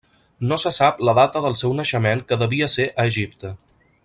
No se sap la data del seu naixement que devia ser a Egipte.